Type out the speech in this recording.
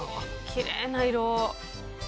きれいな色。